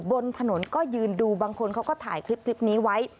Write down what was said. บนถนนก็ยืนดูบางคนเขาก็ถ่ายคลิปนี้ไว้